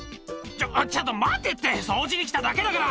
ちょっと待てって掃除に来ただけだから！